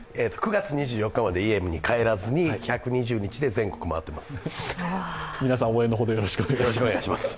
９月２４日まで家に帰らずに１２０日で全国を回っています。